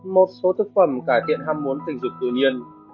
một số thực phẩm cải thiện ham muốn tình dục tự nhiên